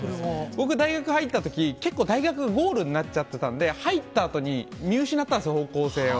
僕、大学入ったとき、結構、大学がゴールになっちゃってたんで、入ったあとに、見失ったんですよ、方向性を。